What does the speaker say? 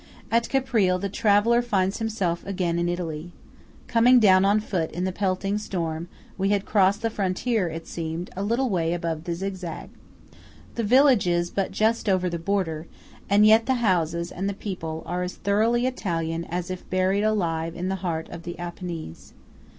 At Caprile, the traveller finds himself again in Italy. Coming down on foot in the pelting storm, we had crossed the frontier, it seemed, a little way above the zigzag. The village is but just over the border; and yet the houses and the people are as thoroughly Italian as if buried alive in the heart of the Apennines.